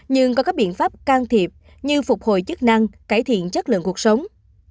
nhưng có các biện pháp can thiệp như phục hồi chức năng cải thiện chất lượng cuộc sống